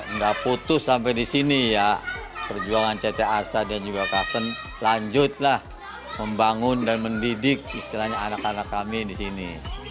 enggak putus sampai disini ya perjuangan ctrsa dan juga kasen lanjutlah membangun dan mendidik istilahnya anak anak kami disini